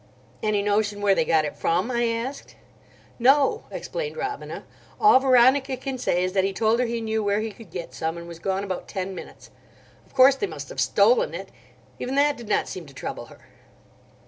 "Any notion where they got it from?" I asked. "No," explained Robina. "All Veronica can say is that he told her he knew where he could get some, and was gone about ten minutes. Of course they must have stolen it—even that did not seem to trouble her."